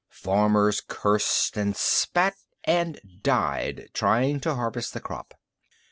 Farmers cursed and spat and died, trying to harvest the crop.